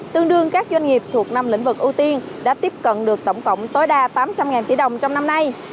tương đương các doanh nghiệp thuộc năm lĩnh vực ưu tiên đã tiếp cận được tổng cộng tối đa tám trăm linh tỷ đồng trong năm nay